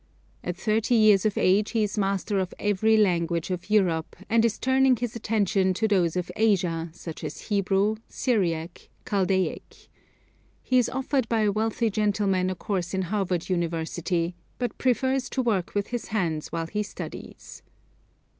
At thirty years of age he is master of every language of Europe, and is turning his attention to those of Asia, such as Hebrew, Syriac, Chaldaic. He is offered by a wealthy gentleman a course in Harvard University, but prefers to work with his hands while he studies.